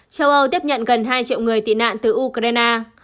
châu âu tiếp nhận gần hai triệu người tị nạn từ ukraine